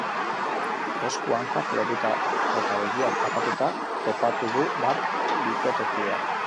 Esku-hankak lotuta eta begiak tapatuta topatu du bart bikotekideak.